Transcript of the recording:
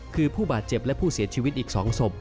คือผู้บาดเจ็บและผู้เสียชีวิตอีก๒ศพ